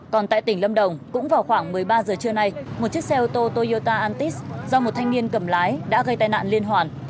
còn tại tỉnh lâm đồng cũng vào khoảng một mươi ba giờ trưa nay một chiếc xe ô tô toyota antis do một thanh niên cầm lái đã gây tai nạn liên hoàn